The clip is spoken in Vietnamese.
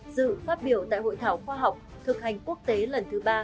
dự phát biểu tại hội thảo khoa học thực hành quốc tế lần thứ ba